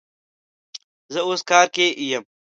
زه اوس کار کی یم